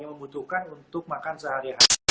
yang membutuhkan untuk makan sehari hari